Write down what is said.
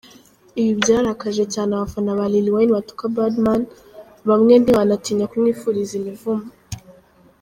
Ibi byarakaje cyane abafana ba Lil Wayne batuka Birdman bamwe ntibanatinya kumwifuriza imivumo.